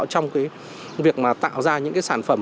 trong việc tạo ra những sản phẩm